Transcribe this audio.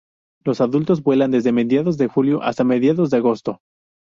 Los adultos vuelan desde mediados de julio hasta mediados de agosto.